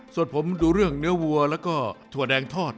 ส่วนผมดูเรื่องเนื้อวัวแล้วก็ถั่วแดงทอด